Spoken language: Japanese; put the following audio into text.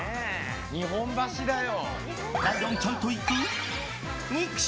日本橋だよ。